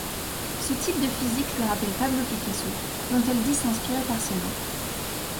Ce type de physique lui rappelle Pablo Picasso, dont elle dit s'inspirer partiellement.